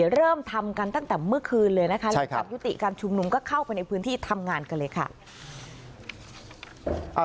เริ่มทำกันตั้งแต่เมื่อคืนเลยนะคะหลังจากยุติการชุมนุมก็เข้าไปในพื้นที่ทำงานกันเลยค่ะ